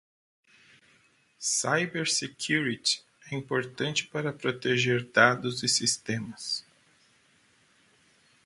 Cybersecurity é importante para proteger dados e sistemas.